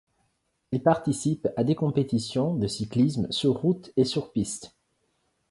Elle participe à des compétitions de cyclisme sur route et sur piste.